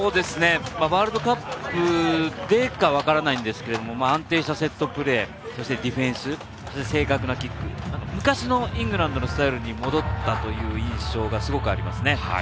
ワールドカップでかわからないんですけれども、安定したセットプレー、そしてディフェンス、正確なキック、昔のイングランドのスタイルに戻ったという印象が、すごくありますね。